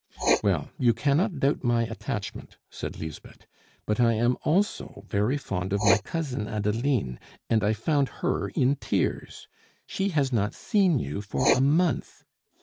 "Well, you cannot doubt my attachment," said Lisbeth. "But I am also very fond of my cousin Adeline, and I found her in tears. She has not seen you for a month.